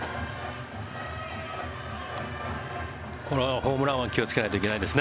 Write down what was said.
これはホームランは気をつけないといけないですね。